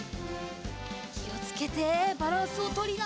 きをつけてバランスをとりながら。